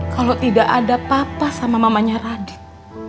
kalau tidak ada papa sama mamanya radik